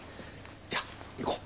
じゃあ行こう。